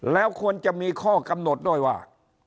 แล้วควรจะมีข้อกำหนดด้วยว่า